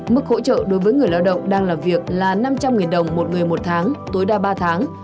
mức hỗ trợ đối với người lao động đang làm việc là năm trăm linh đồng một người một tháng tối đa ba tháng